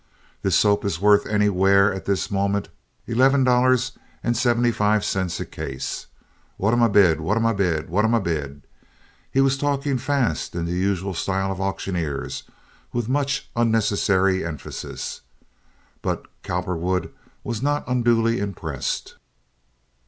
This soap is worth anywhere at this moment eleven dollars and seventy five cents a case. What am I bid? What am I bid? What am I bid?" He was talking fast in the usual style of auctioneers, with much unnecessary emphasis; but Cowperwood was not unduly impressed.